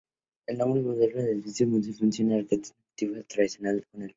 El moderno edificio del museo fusiona la arquitectura tibetana tradicional con lo moderno.